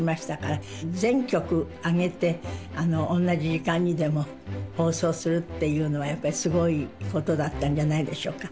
全局あげて同じ時間にでも放送するっていうのはやっぱりすごいことだったんじゃないでしょうか。